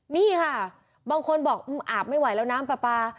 นี่ค่ะบางคนบอกอาบไม่ไหวแล้วน้ำปลาปลา